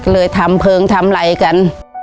เลยทำเพลิงทำอะไรกัน